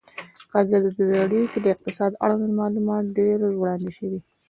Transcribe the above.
په ازادي راډیو کې د اقتصاد اړوند معلومات ډېر وړاندې شوي.